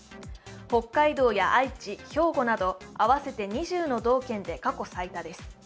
北海道や愛知、兵庫など合わせて２０の道県で過去最多です。